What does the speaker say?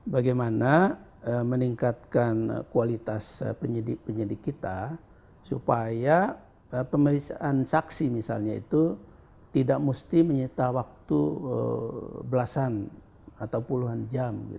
bagaimana meningkatkan kualitas penyidik penyidik kita supaya pemeriksaan saksi misalnya itu tidak mesti menyita waktu belasan atau puluhan jam